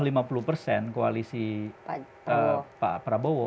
di bawah lima puluh koalisi pak prabowo